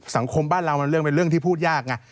สังคมบ้านเรามันเป็นเรื่องที่พูดยาก